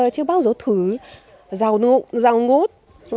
chưa bao giờ thử rào ngốt